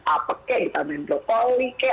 apa kek ditambahin brokoli kek